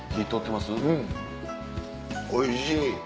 おいしい。